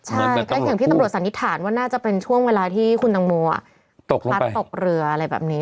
ใช่นั่นแหล่งที่ตำรวจสันนิษฐานว่าน่าจะช่วงเวลาที่คุณตังโมวลุคมาตกเรืออะไรแบบนี้